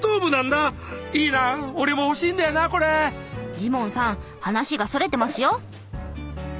ジモンさん話がそれてますよ。